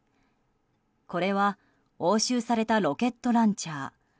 これは押収されたロケットランチャー。